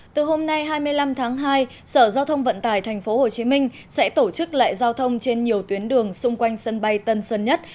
từ hôm nay hai mươi năm tháng hai sở giao thông vận tải tp hcm sẽ tổ chức lại giao thông trên nhiều tuyến đường xung quanh sân bay tân sơn nhất